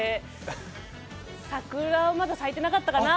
桜がまだ咲いてなかったかな？